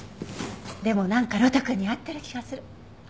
でもなんか呂太くんに合ってる気がする。